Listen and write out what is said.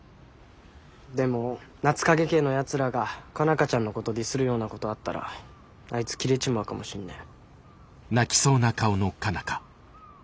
でも夏影家のやつらが佳奈花ちゃんのことをディスるようなことあったらあいつキレちまうかもしんねえ。